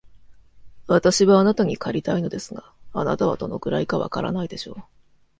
私はあなたに借りたいのですが、あなたはどのくらいか分からないでしょう。